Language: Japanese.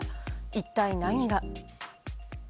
一体、何が。